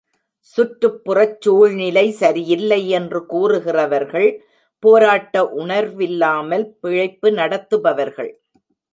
சுற்றுப்புறச் சூழ்நிலை சரியில்லை என்று கூறுகிறவர்கள் பேராட்ட உணர்வில்லாமல் பிழைப்பு நடத்துபவர்கள்.